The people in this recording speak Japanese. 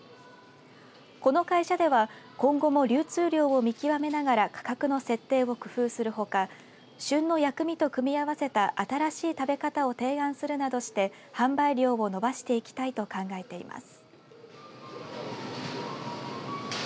この会社では、今後も流通量を見極めながら価格の設定を工夫するほか旬の薬味と組み合わせた新しい食べ方を提案するなどして販売量を伸ばしていきたいと考えています。